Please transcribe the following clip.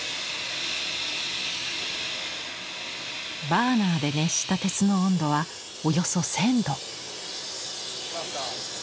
バーナーで熱した鉄の温度はおよそ１，０００度。